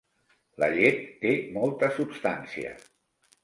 La llet té molta substància.